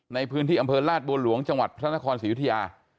ในพื้นที่อำเภอลาดบัวหลวงจังหวัดพระนครศรียุธยา